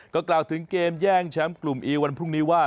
ก็กล่าวถึงเกมแย่งแชมป์กลุ่มอีวันพรุ่งนี้ว่า